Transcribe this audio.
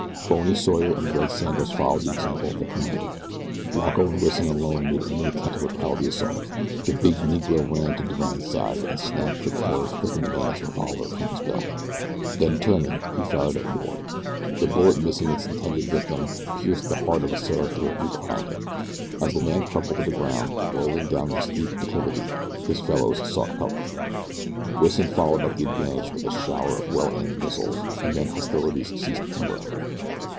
Bony Sawyer and Red Sanders followed the example of their commander. Blanco and Wison alone made any attempt to repel the assault. The big Negro ran to Divine's side and snatched the terror stricken man's revolver from his belt. Then turning he fired at Ward. The bullet, missing its intended victim, pierced the heart of a sailor directly behind him, and as the man crumpled to the ground, rolling down the steep declivity, his fellows sought cover. Wison followed up the advantage with a shower of well aimed missiles, and then hostilities ceased temporarily.